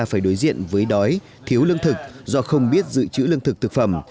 phải đối diện với đói thiếu lương thực do không biết giữ chữ lương thực thực phẩm